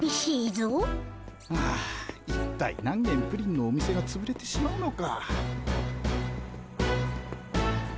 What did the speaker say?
ああ一体何げんプリンのお店がつぶれてしまうのか。